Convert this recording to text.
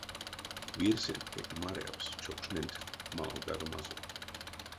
Вирьсэнть пек марявсь чокшненть малавгадомазо.